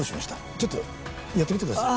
ちょっとやってみてください。